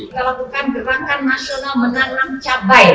kita lakukan gerakan nasional menanam cabai